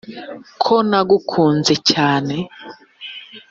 ko nagukunze cyane